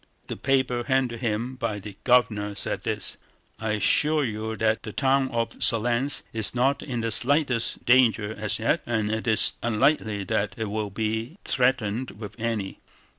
The paper handed to him by the Governor said this: "I assure you that the town of Smolénsk is not in the slightest danger as yet and it is unlikely that it will be threatened with any.